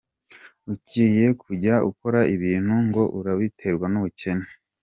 Ugiye kujya ukora ibintu ngo urabiterwa n’ubukene,.